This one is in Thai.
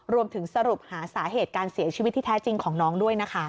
รวมถึงสรุปหาสาเหตุการเสียชีวิตที่แท้จริงของน้องด้วยนะคะ